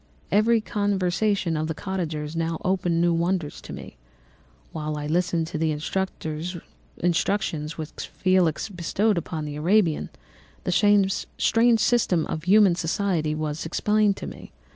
"Every conversation of the cottagers now opened new wonders to me. While I listened to the instructions which Felix bestowed upon the Arabian, the strange system of human society was explained to me.